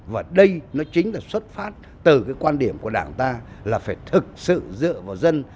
và đây nó chính là xuất phát từ cái quan điểm của đảng ta là phải thực sự dựa vào dân